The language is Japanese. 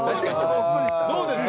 どうですか？